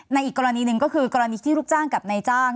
อีกกรณีหนึ่งก็คือกรณีที่ลูกจ้างกับนายจ้าง